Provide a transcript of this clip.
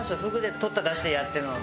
とった出汁でやってるので。